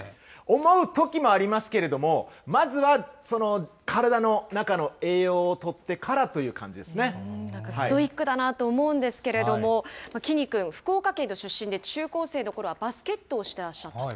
思うときもありますけれども、まずは体の中の栄養をとってからストイックだなと思うんですけれども、きんに君、福岡県の出身で、中高生のころはバスケットをしてらっしゃった。